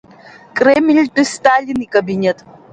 Кремльтәи Сталин икабинет.